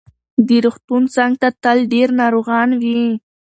د روغتون څنګ ته تل ډېر ناروغان وي.